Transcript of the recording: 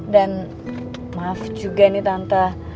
dan maaf juga nih tante